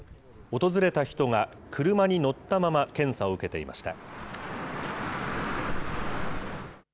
訪れた人が車に乗ったまま検査を受けていました。